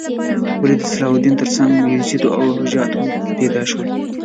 ولې د صلاح الدین تر څنګ یزید او حجاج هم پیدا شول؟